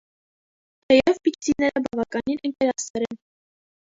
Թեև պիքսիները բավականին ընկերասեր են։